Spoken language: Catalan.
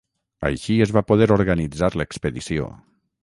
Així es va poder organitzar l'expedició.